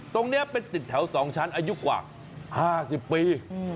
ตรงนี้เป็นตึกแถว๒ชั้นอายุกว่า๕๐ปี